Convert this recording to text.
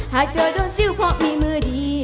หากเธอโดนสิ้วพอมีมือดี